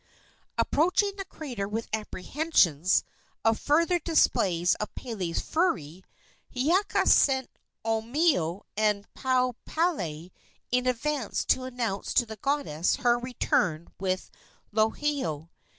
Approaching the crater with apprehensions of further displays of Pele's fury, Hiiaka sent Omeo and Pauo palae in advance to announce to the goddess her return with Lohiau.